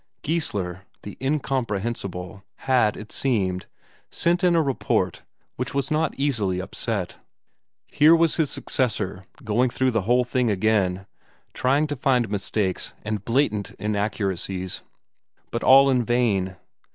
Geissler, the incomprehensible, had, it seemed, sent in a report which was not easily upset. Here was his successor going through the whole thing again, trying to find mistakes and blatant inaccuracies but all in vain.